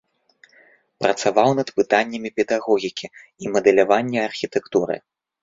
Працаваў над пытаннямі педагогікі і мадэлявання архітэктуры.